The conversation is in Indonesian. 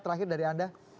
terakhir dari anda